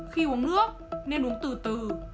khi uống nước nên uống từ từ